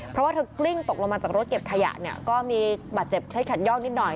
เพราะว่าเธอกลิ้งตกลงมาจากรถเก็บขยะเนี่ยก็มีบาดเจ็บเคล็ดขัดยอกนิดหน่อย